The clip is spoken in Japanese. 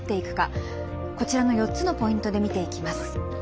こちらの４つのポイントで見ていきます。